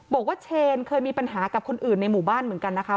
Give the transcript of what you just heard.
บอกว่าเชนเคยมีปัญหากับคนอื่นในหมู่บ้านเหมือนกันนะคะ